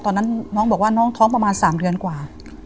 ตอนนั้นน้องบอกว่าน้องท้องประมาณ๓เดือนกว่า